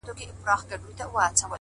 • داسي حال په ژوند کي نه وو پر راغلی,